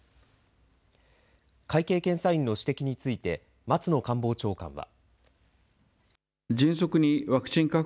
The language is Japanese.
会計検査院の指摘について松野官房長官は。